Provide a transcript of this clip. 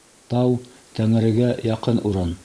Тау — Тәңрегә яҡын урын